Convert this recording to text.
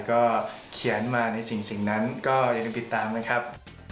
ก็เขียนมาในสิ่งนั้นก็อย่าลืมติดตามนะครับ